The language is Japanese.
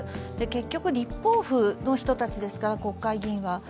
結局立法府の人たちですから国会議員は。